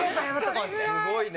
すごいね。